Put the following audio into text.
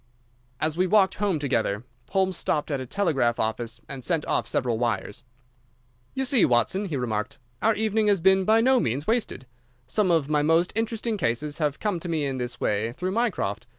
As we walked home together, Holmes stopped at a telegraph office and sent off several wires. "You see, Watson," he remarked, "our evening has been by no means wasted. Some of my most interesting cases have come to me in this way through Mycroft.